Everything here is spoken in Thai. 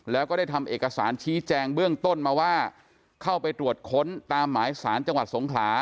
แล้วก็ได้ทำเอกสารชี้แจงเบื้องต้นมาว่าเข้าไปตรวจค้นตามหมายสารจังหวัดสงขลา